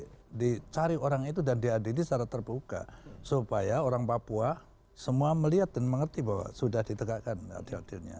lalu segera harus dicari orang itu dari diadil secara terbuka supaya orang papua semua melihat dan mengerti bahwa sudah ditegakkan hadil hadilnya